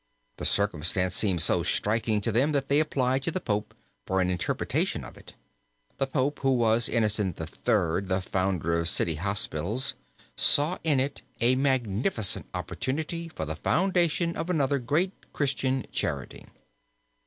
The circumstance seemed so striking to them that they applied to the Pope for an interpretation of it. The Pope, who was Innocent III., the founder of city hospitals, saw in it a magnificent opportunity for the foundation of another great Christian charity.